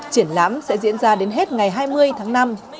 triển lãm sẽ diễn ra đến hết ngày hai mươi tháng năm